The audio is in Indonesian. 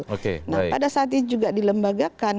nah pada saat itu juga dilembagakan